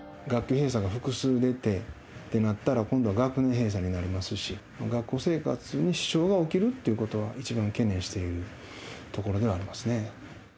学級閉鎖が複数出てってなったら、今度は学年閉鎖になりますし、学校生活に支障が起きるっていうことは、一番懸念されてるところではありますね。